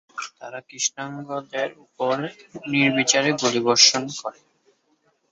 তারা কৃষ্ণাঙ্গদের উপর নির্বিচারে গুলিবর্ষণ করে।